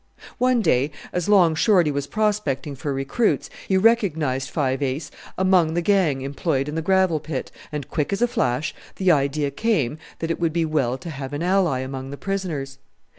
One day, as Long Shorty was prospecting for recruits, he recognized Five Ace among the gang employed in the gravel pit, and, quick as a flash, the idea came that it would be well to have an ally among the prisoners.